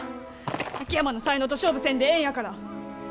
秋山の才能と勝負せんでええんやから！